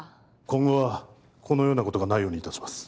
今後はこのようなことがないようにいたします